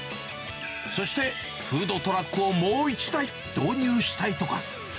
そして、フードトラックをもう１台導入したいとか。